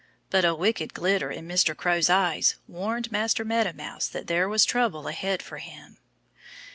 But a wicked glitter in Mr. Crow's eyes warned Master Meadow Mouse that there was trouble ahead for him.